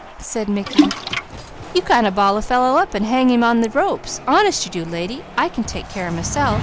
said Mickey. "You kind of ball a fellow up and hang him on the ropes. Honest you do, lady! I can take care of myself.